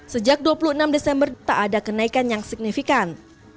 sejak dua puluh enam desember tak ada kenaikan yang signifikan